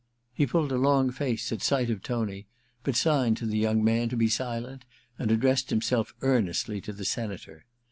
He pulled a long face at sight of Tony, but signed to the young man to be silent, and addressed himself earnestly to the Senator.